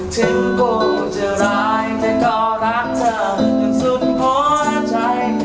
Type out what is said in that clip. ถึงกูจะร้ายแต่ก็รักเธอสุดหัวใจ